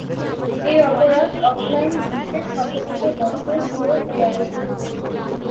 এই অপরাধ অফলাইন বিশ্বে শত শত বছর ধরে হয়ে আসছে।